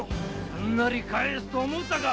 すんなり帰すと思ったか！